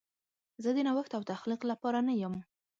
زه د نوښت او تخلیق لپاره نه یم.